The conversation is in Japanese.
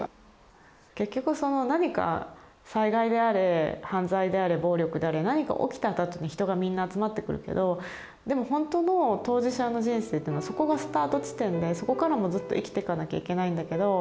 結局その何か災害であれ犯罪であれ暴力であれ何か起きたあとに人がみんな集まってくるけどでもほんとの当事者の人生というのはそこがスタート地点でそこからもずっと生きていかなきゃいけないんだけど。